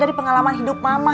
dari pengalaman hidup mama